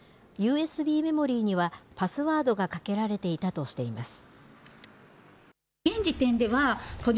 ＵＳＢメモリーには、パスワードがかけられていたとしています。